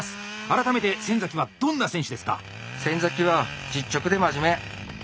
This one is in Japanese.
改めて先はどんな選手ですか？